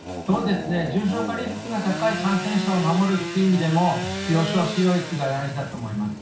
重症化リスクが高い感染者を守るという意味でも病床使用率が大事だと思います。